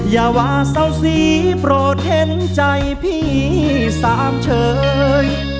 อย่าว่าเศร้าสีโปรดเห็นใจพี่สามเฉย